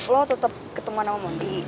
lo tetap keteman sama mondi